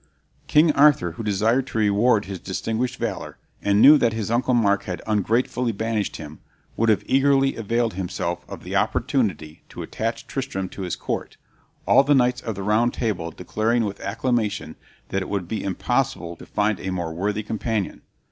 King Arthur, who desired to reward his distinguished valor, and knew that his Uncle Mark had ungratefully banished him, would have eagerly availed himself of the opportunity to attach Tristram to his court, all the knights of the Round Table declaring with acclamation that it would be impossible to find a more worthy companion.